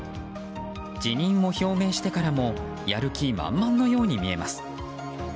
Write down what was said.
辞任を表明してからもやる気満々のように見えます。